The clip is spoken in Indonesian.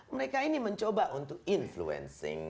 mereka ini mencoba untuk influencing